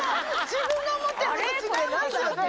自分が思ってるのと違いますよね。